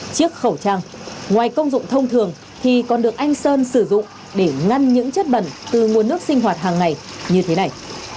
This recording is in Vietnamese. chiếc khẩu trang ngoài công dụng thông thường thì còn được anh sơn sử dụng để ngăn những chất bẩn từ nguồn nước sinh hoạt hàng ngày như thế này